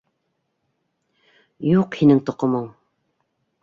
Юҡ һинең тоҡомоң!